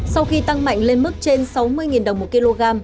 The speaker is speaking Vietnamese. sau khi tăng mạnh lên mức trên sáu mươi đồng một kg